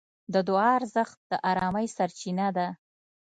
د دعا ارزښت د ارامۍ سرچینه ده.